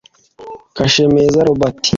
Kashemeza Robert